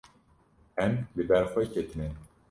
Em li ber xwe ketine.